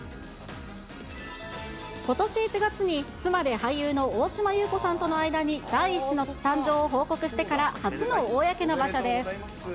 ことし１月に、妻で俳優の大島優子さんとの間に第１子の誕生を報告してから初の公の場所です。